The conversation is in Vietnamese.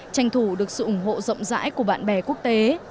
tranh thủ được sự ủng hộ rộng rãi của bạn bè quốc tế